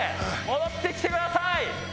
戻ってきてください！